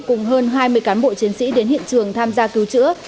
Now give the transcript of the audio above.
cùng hơn hai mươi cán bộ chiến sĩ đến hiện trường tham gia cứu chữa